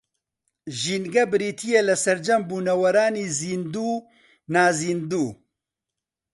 ژینگە بریتییە لە سەرجەم بوونەوەرانی زیندوو و نازیندوو